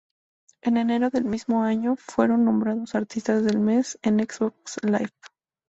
En enero del mismo año fueron nombrados "Artista del Mes" en Xbox Live.